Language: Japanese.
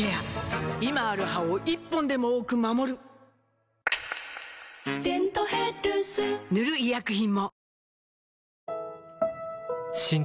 今ある歯を１本でも多く守る「デントヘルス」塗る医薬品も